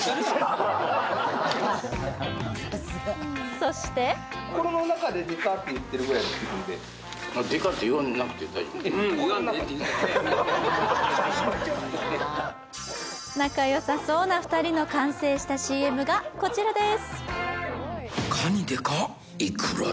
そして仲良さそうな２人の完成したＣＭがこちらです。